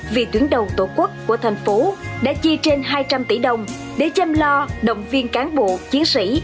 vì tuyến đầu tổ quốc của thành phố đã chi trên hai trăm linh tỷ đồng để chăm lo động viên cán bộ chiến sĩ